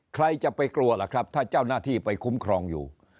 ใครจะไปกลัวล่ะครับถ้าเจ้าหน้าที่ไปคุ้มครองอยู่